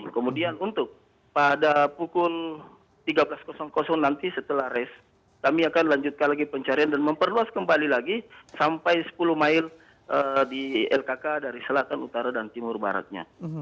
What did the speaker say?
kemudian untuk pada pukul tiga belas nanti setelah race kami akan lanjutkan lagi pencarian dan memperluas kembali lagi sampai sepuluh mil di lkk dari selatan utara dan timur baratnya